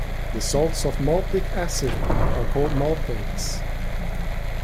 The salts of molybdic acid are called molybdates.